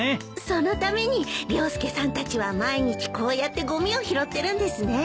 そのために涼介さんたちは毎日こうやってゴミを拾ってるんですね。